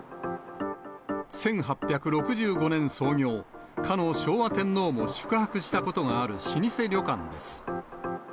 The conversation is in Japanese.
１８６５年創業、かの昭和天皇も宿泊したことがある老舗旅館です。